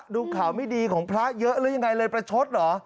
ดูข่าวไม่ดีของพระเยอะหรือยังไงเลยประชดเหรอ